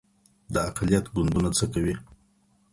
د اقلیت ګوندونه څه کوي؟